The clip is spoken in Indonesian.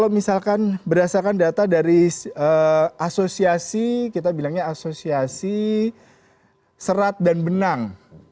misalkan berdasarkan data dari asosiasi kita bilangnya asosiasi serat dan benang